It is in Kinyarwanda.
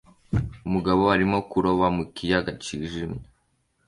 Umugabo arimo kuroba mu kiyaga cyijimye